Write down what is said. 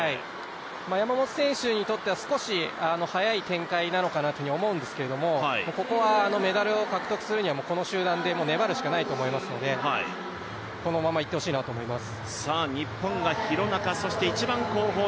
山本選手にとっては少し早い展開なのかなっていうふうに思うんですけどここはメダルを獲得するにはこの集団で粘るしかないと思いますのでこのままいってほしいと思います。